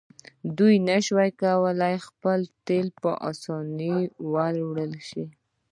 آیا دوی نشي کولی خپل تیل په اسانۍ وپلوري؟